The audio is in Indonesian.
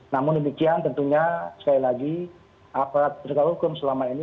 namun demikian tentunya sekali lagi aparat penegak hukum selama ini